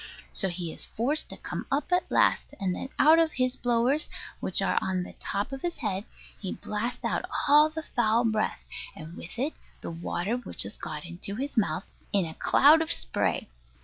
So he is forced to come up at last: and then out of his blowers, which are on the top of his head, he blasts out all the foul breath, and with it the water which has got into his mouth, in a cloud of spray.